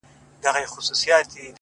رمې دي د هغه وې اې شپنې د فريادي وې _